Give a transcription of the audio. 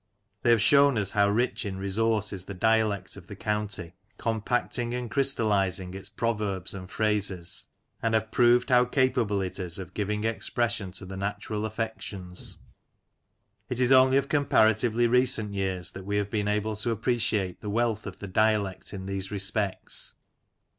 They have shown us how rich in resource is the dialect of the county, compacting and crystalizing its proverbs and phrases, and have proved how capable it is of giving expression to the natural affections. It is only of comparatively recent years that we have been able to appreciate the wealth of the dialect in these respects.